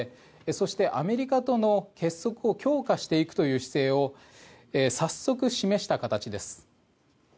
そして、アメリカとの結束を強化していくという姿勢を、早速示した形です。